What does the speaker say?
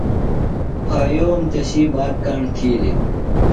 پھایوم تسی بات کاݨ تِھیلیۡ۔